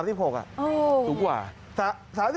สูงกว่า